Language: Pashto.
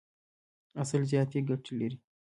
عسل زیاتي ګټي لري.